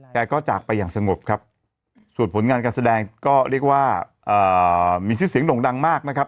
แต่ก็จากไปอย่างสงบครับส่วนผลงานการแสดงอ่ะมีชื่อหน่วงดังมากนะครับ